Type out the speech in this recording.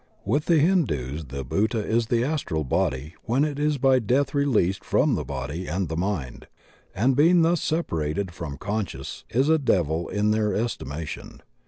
With the Hindus the Bhuta is the Astral Body when it is by death released from the body and the mind; and being thus separated from conscience, is a devil in their estimation.